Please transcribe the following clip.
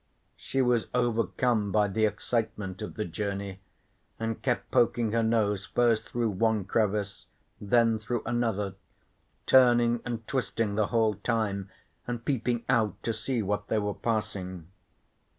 She was overcome by the excitement of the journey and kept poking her nose first through one crevice, then through another, turning and twisting the whole time and peeping out to see what they were passing.